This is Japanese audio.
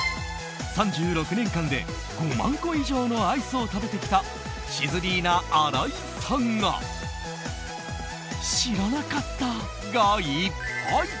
３６年間で５万個以上のアイスを食べてきたシズリーナ荒井さんが知らなかったがいっぱい！